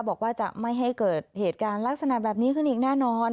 บอกว่าจะไม่ให้เกิดเหตุการณ์ลักษณะแบบนี้ขึ้นอีกแน่นอน